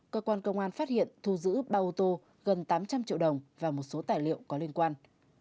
cơ quan công an phát hiện thu giữ ba ô tô gần tám trăm linh triệu đồng và một số tài liệu có liên quan